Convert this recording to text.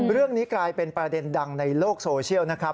เรื่องนี้กลายเป็นประเด็นดังในโลกโซเชียลนะครับ